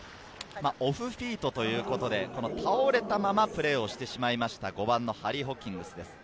オフフィートということで、倒れたままプレーをしてしまいました、５番のハリー・ホッキングスです。